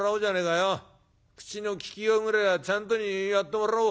口の利きようぐれえはちゃんとにやってもらおう。